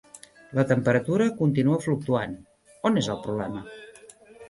La temperatura continua fluctuant, on és el problema?